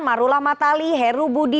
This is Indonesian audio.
marulah matali heru budi